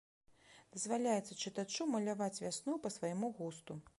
Дазваляецца чытачу маляваць вясну па свайму густу.